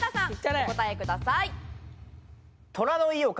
お答えください。